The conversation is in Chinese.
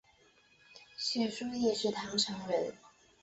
许叔冀是唐朝人。